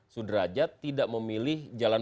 sudrajat tidak memilih jalan